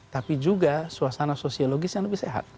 tapi juga suasana sosiologis yang lebih sehat